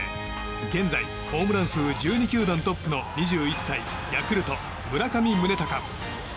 現在ホームラン数１２球団トップの２１歳ヤクルト・村上宗隆。